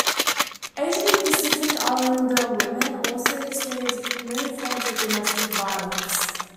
Asian and Pacific Islander women also experience many forms of domestic violence.